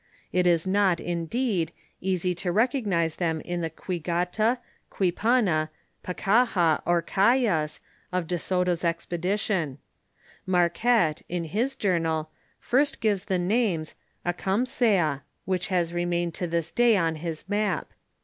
It is uot, indeed, easy to rec ognise thonj in tiie Qiiigato, Qiiipnna, Paealm, or Cayas, of De Soto's expedition. Marquette, in his journal, first gives tho name, "Akamsea," which has remained to tliis day on his map.